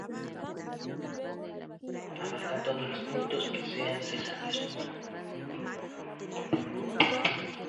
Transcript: En dicha reunión abarcan todos los puntos que sean necesarios.